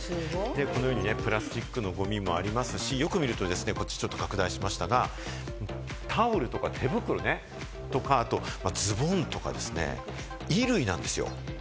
このようにプラスチックのゴミもありますし、よく見るとこっち拡大しましたが、タオルとか手袋とか、ズボンとか、衣類なんですよ。